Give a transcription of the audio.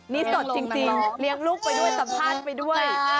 นี่สดจริงเลี้ยงลูกไปด้วยสัมภาษณ์ไปด้วย